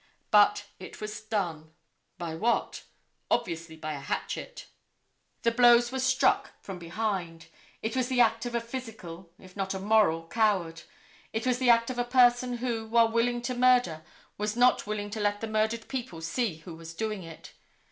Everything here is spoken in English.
But it was done. By what? Obviously by a hatchet. The blows were struck from behind. It was the act of a physical, if not a moral coward. It was the act of a person who, while willing to murder, was not willing to let the murdered people see who was doing it.